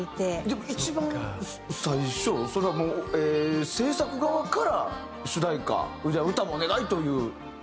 でも一番最初それはもう制作側から主題歌じゃあ歌もお願いという事になったわけですか？